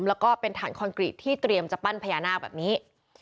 แล้วก็เป็นฐานคอนกรีตที่เตรียมจะปั้นพญานาคแบบนี้